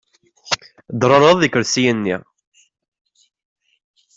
Tderrereḍ ikersiyen-nni.